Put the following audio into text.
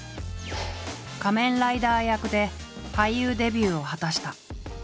仮面ライダー役で俳優デビューを果たした。